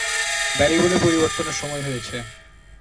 Barry বলে পরিবর্তনের সময় হয়েছে।